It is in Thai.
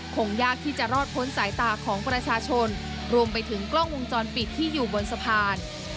คงยากที่จะรอดพ้นสายตาของประชาชนรวมไปถึงกล้องวงจรปิดที่อยู่บนสะพาน